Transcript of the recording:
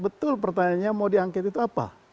betul pertanyaannya mau diangket itu apa